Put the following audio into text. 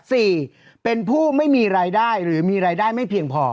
สี่เป็นผู้ไม่มีรายได้หรือมีรายได้ไม่เพียงพอ